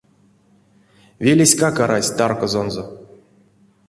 Велеськак арась тарказонзо.